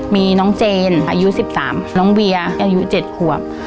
มีน้องเจนอายุสิบสามน้องเวียอายุเจ็ดขวบ